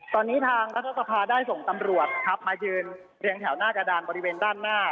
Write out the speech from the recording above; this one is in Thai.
ตอนนี้ทางรัฐสภาได้ส่งตำรวจครับมายืนเรียงแถวหน้ากระดานบริเวณด้านหน้า